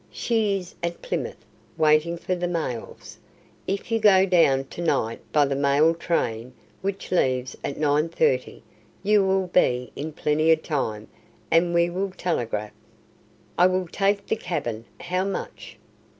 She is at Plymouth, waiting for the mails. If you go down to night by the mail train which leaves at 9.30, you will be in plenty of time, and we will telegraph." "I will take the cabin. How much?"